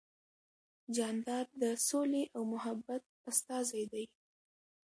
جانداد د سولې او محبت استازی دی.